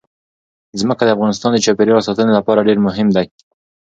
ځمکه د افغانستان د چاپیریال ساتنې لپاره ډېر مهم دي.